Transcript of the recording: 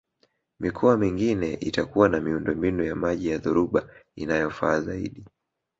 Mikoa mingine itakuwa na miundombinu ya maji ya dhoruba inayofaa zaidi